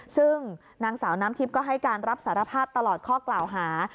ซึ่งนางสาวน้ำทิพย์ก็ให้การรับสารภาพตลอดข้อกล่าวหา